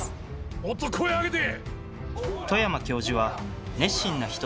もっと声あげて！